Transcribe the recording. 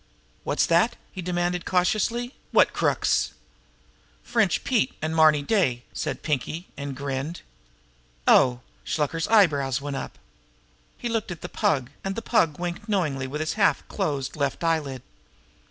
"What's that?" he demanded cautiously. "What crooks?" "French Pete an' Marny Day," said Pinkie and grinned. "Oh!" Shluker's eyebrows went up. He looked at the Pug, and the Pug winked knowingly with his half closed left eyelid.